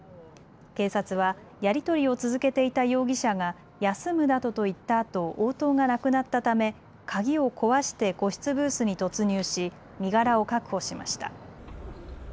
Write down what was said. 警察は、やり取りを続けていた容疑者が休むなどと言ったあと応答がなくなったため鍵を壊して個室ブースに突入し身柄を確保しました。